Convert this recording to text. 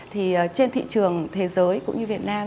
thì trên thị trường thế giới cũng như việt nam